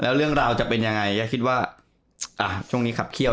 แล้วเรื่องราวจะเป็นยังไงยายคิดว่าช่วงนี้ขับเคี่ยว